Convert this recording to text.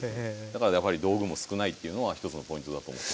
だからやはり道具も少ないっていうのは一つのポイントだと思って。